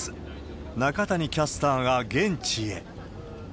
中谷キャスターが現地へ。